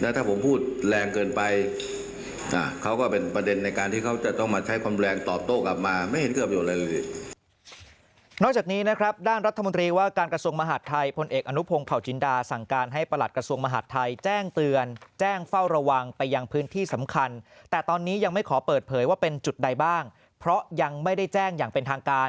และที่ผมพูดแรงเกินไปเขาก็เป็นประเด็นในการที่เขาจะต้องเอามาใช้ความแรงบันนี้นะครับยังไม่ได้แจ้งอย่างเป็นทางการ